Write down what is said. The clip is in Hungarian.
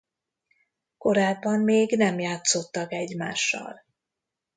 Korábban még nem játszottak egymással.